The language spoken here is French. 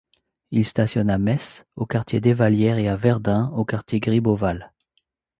Il stationne à Metz, au quartier Desvallières et à Verdun, au quartier Gribeauval.